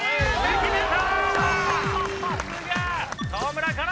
決めた！